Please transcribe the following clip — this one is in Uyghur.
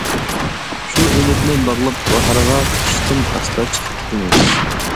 شۇ ئۈمىدنى باغلاپ باھارغا، قىشتىن ئاستا چېقىپ كېتىمىز.